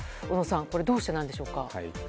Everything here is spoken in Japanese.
小野さんどうしてなんでしょうか？